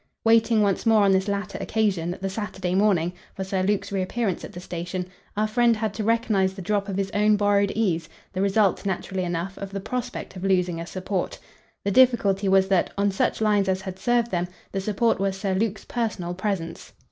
Waiting once more on this latter occasion, the Saturday morning, for Sir Luke's reappearance at the station, our friend had to recognise the drop of his own borrowed ease, the result, naturally enough, of the prospect of losing a support. The difficulty was that, on such lines as had served them, the support was Sir Luke's personal presence.